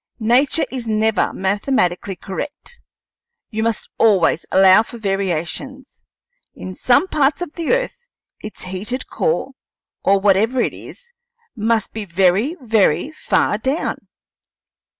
Nature is never mathematically correct. You must always allow for variations. In some parts of the earth its heated core, or whatever it is, must be very, very far down."